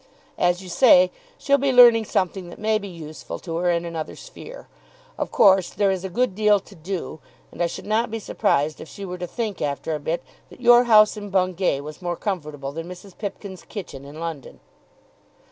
"As you say, she'll be learning something that may be useful to her in another sphere. Of course there is a good deal to do, and I should not be surprised if she were to think after a bit that your house in Bungay was more comfortable than Mrs. Pipkin's kitchen in London."